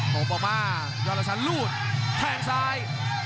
โตป่ามาย่อละชันรูดแทงซ้าย